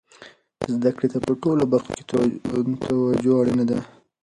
زده کړې ته په ټولو برخو کې توجه اړینه ده.